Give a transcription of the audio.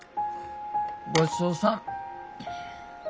ごちそうさん。